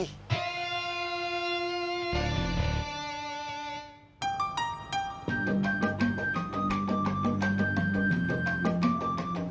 kita harus pake komponen